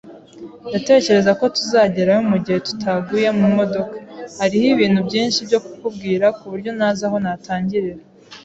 Ndatekereza ko tuzagerayo mugihe tutaguye mumodoka. Hariho ibintu byinshi byo kukubwira kuburyo ntazi aho natangirira.